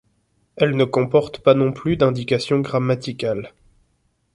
Elle ne comporte pas non plus d'indication grammaticale.